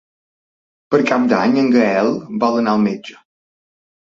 Per Cap d'Any en Gaël vol anar al metge.